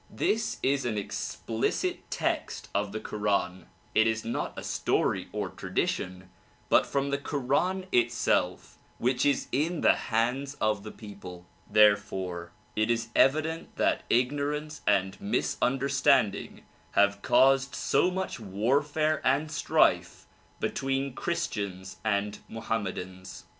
This is an explicit text of the koran; it is not a story or tradition but from the koran itself which is in the hands of the people. Therefore it is evident that DISCOURSES DELIVERED IN BROOKLYN 197 ignorance and misunderstanding have caused so much warfare and strife between Christians and Mohammedans.